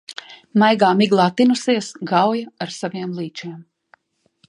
Maigā miglā tinusies Gauja ar saviem līčiem.